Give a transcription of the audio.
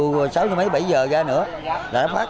rồi thấy im im vô vô chiều sáu bảy giờ ra nữa